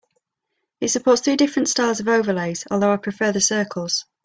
It supports three different styles of overlays, although I prefer the circles.